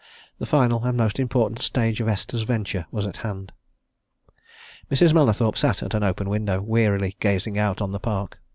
The final and most important stage of Esther's venture was at hand. Mrs. Mallathorpe sat at an open window, wearily gazing out on the park.